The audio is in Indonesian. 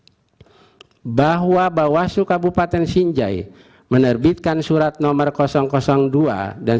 sinjai provinsi sulawesi selatan bahwa bawahsu kabupaten sinjai menerbitkan surat nomor dua dan